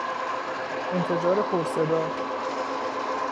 انفجار پر صدا